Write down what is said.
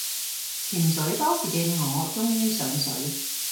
潛水多時嘅我終於上水